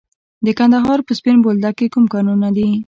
د کندهار په سپین بولدک کې کوم کانونه دي؟